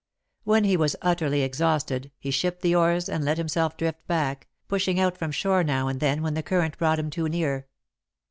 When he was utterly exhausted, he shipped the oars and let himself drift back, pushing out from shore now and then when the current brought him too near.